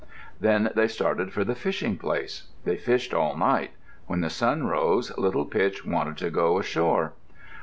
Then they started for the fishing place. They fished all night. When the sun rose Little Pitch wanted to go ashore.